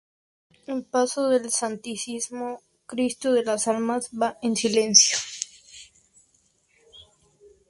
El paso del Santísimo Cristo de las Almas va en silencio.